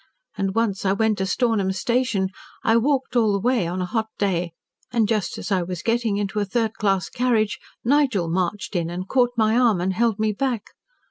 And once I went to Stornham station. I walked all the way, on a hot day. And just as I was getting into a third class carriage, Nigel marched in and caught my arm, and held me back.